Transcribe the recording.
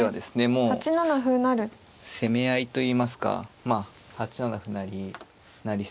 もう攻め合いといいますかまあ８七歩成成り